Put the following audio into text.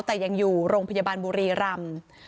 แต่ยังอยู่โรงพยาบาลบุรีรำ